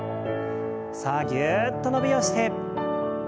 さあぎゅっと伸びをして。